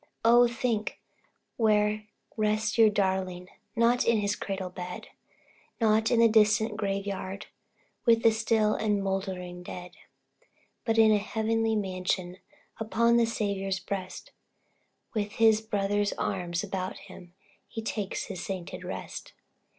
Oh! think where rests your darling, Not in his cradle bed; Not in the distant graveyard, With the still and mouldering dead But in a heavenly mansion, Upon the Saviour's breast, With his brother's arms about him, He takes his sainted rest.